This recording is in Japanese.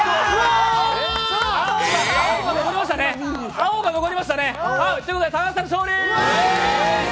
青が残りましたね。ということで高橋さんの勝利。